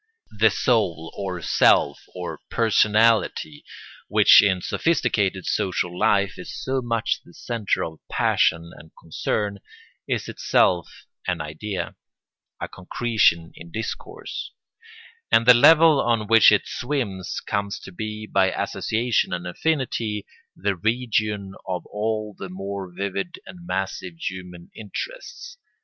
The soul or self or personality, which in sophisticated social life is so much the centre of passion and concern, is itself an idea, a concretion in discourse; and the level on which it swims comes to be, by association and affinity, the region of all the more vivid and massive human interests.